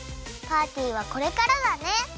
パーティーはこれからだね！